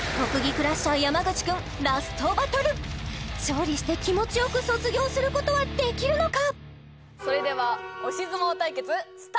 クラッシャー山口くんラストバトル勝利して気持ちよく卒業することはできるのか？